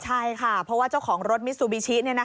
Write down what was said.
ใช่ค่ะเพราะว่าเจ้าของรถมิซูบิชิ